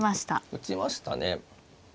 打ちましたね。